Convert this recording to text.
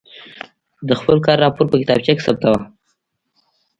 د خپل کار راپور په کتابچه کې ثبتاوه.